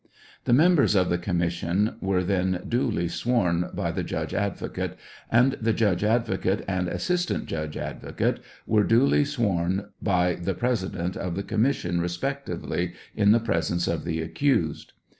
The members of the commission were then duly sworn by the judge advo cate, and the judge advocate and assistant judge advocate were duly sworn be the president of the commission respectively in the presence of the accused.